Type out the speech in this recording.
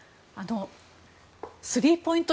スリーポイント